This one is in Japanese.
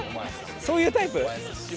そういうタイプ？